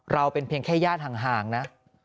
เราเป็นเพียงแค่ญาติห่างนะ